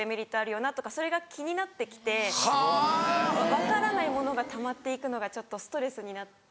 分からないものがたまって行くのがちょっとストレスになって。